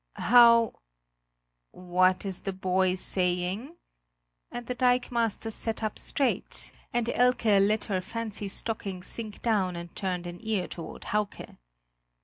"How what is the boy saying?" and the dikemaster sat up straight, and Elke let her fancy stocking sink down and turned an ear toward Hauke.